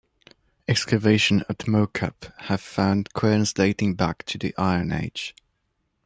Excavations at Mow Cop have found querns dating back to the Iron Age.